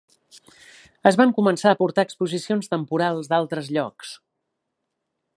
Es van començar a portar exposicions temporals d'altres llocs.